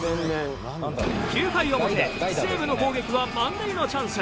９回表西武の攻撃は満塁のチャンス。